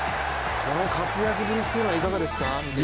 この活躍ぶりというのはいかがですか？